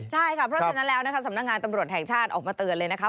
ใช่ค่ะเพราะฉะนั้นแล้วนะคะสำนักงานตำรวจแห่งชาติออกมาเตือนเลยนะคะ